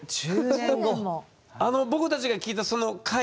僕たちが聞いたその会？